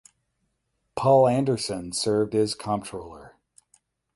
Paul Anderson served as Comptroller.